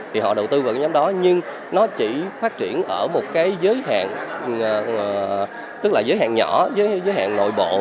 thì họ đầu tư vào cái nhóm đó nhưng nó chỉ phát triển ở một cái giới hạn tức là giới hạn nhỏ giới hạn nội bộ